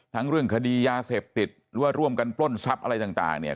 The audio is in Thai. เรื่องคดียาเสพติดหรือว่าร่วมกันปล้นทรัพย์อะไรต่างเนี่ย